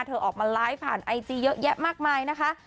เธอออกมาไลฟ์ผ่านไอจีเยอะแยะมากมายนะคะ